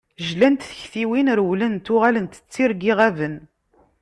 Jlant tektiwin rewlent, uɣalent d tirga iɣaben.